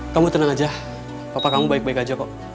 kamu tenang aja papa kamu baik baik aja kok